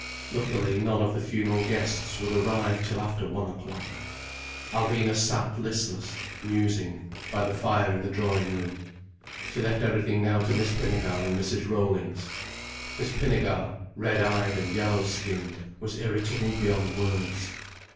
Luckily none of the funeral guests would arrive till after one o'clock. Alvina sat listless, musing, by the fire in the drawing room. She left everything now to Miss Pinnegar and Mrs. Rollings. Miss Pinnegar, red eyed and yellow skinned, was irritable beyond words.